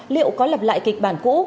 liệu có lập lại kịch bản cũ